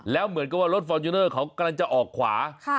แล้วเหมือนกับว่ารถฟอร์จูเนอร์เขากำลังจะออกขวา